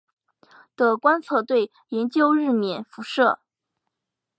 的观测队研究日冕辐射。